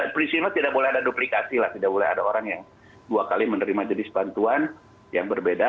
prinsipnya tidak boleh ada duplikasi lah tidak boleh ada orang yang dua kali menerima jenis bantuan yang berbeda